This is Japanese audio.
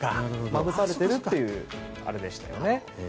まぶされているというあれでしたよね。